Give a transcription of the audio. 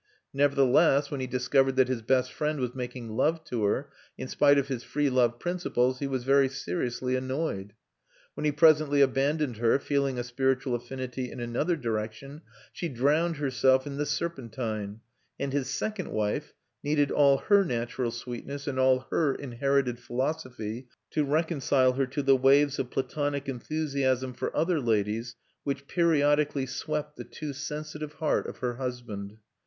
Nevertheless, when he discovered that his best friend was making love to her, in spite of his free love principles, he was very seriously annoyed. When he presently abandoned her, feeling a spiritual affinity in another direction, she drowned herself in the Serpentine: and his second wife needed all her natural sweetness and all her inherited philosophy to reconcile her to the waves of Platonic enthusiasm for other ladies which periodically swept the too sensitive heart of her husband.